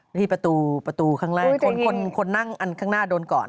ที่ประตูประตูข้างล่างคนนั่งอันข้างหน้าโดนก่อน